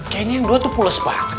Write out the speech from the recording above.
kayaknya yang dua tuh pules pak